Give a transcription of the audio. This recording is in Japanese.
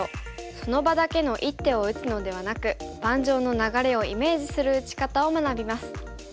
その場だけの一手を打つのではなく盤上の流れをイメージする打ち方を学びます。